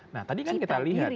nah tadi kan kita lihat